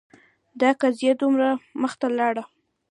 دا قضیه دومره مخته لاړه